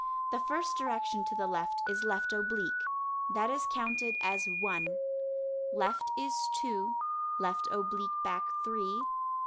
The first direction to the left is left oblique. That is counted "one." Left is "two." Left oblique back, "three."